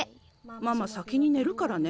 ママ先にねるからね。